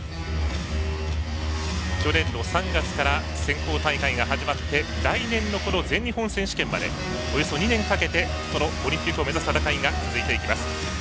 去年の３月から選考大会が始まって来年の全日本選手権までおよそ２年かけてオリンピックを目指す戦いが続いていきます。